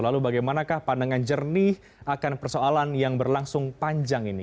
lalu bagaimanakah pandangan jernih akan persoalan yang berlangsung panjang ini